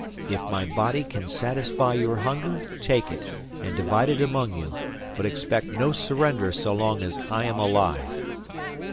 If my body can satisfy your hunger, take it, and divide it among you, but expect no surrender so long as I am alive.